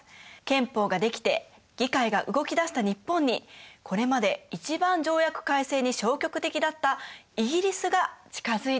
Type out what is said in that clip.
憲法が出来て議会が動き出した日本にこれまで一番条約改正に消極的だったイギリスが近づいてきたんです。